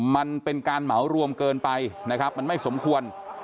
มันเป็นการเหมารวมเกินไปนะครับมันไม่สมควร